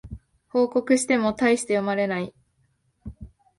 報告してもたいして読まれない